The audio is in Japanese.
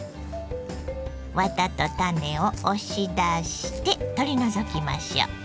ワタと種を押し出して取り除きましょう。